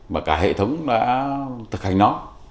và cả hệ thống đã thực hành nó